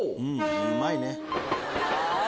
うまいね。